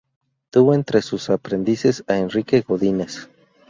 Tuvo entre sus aprendices a Enrique Godínez.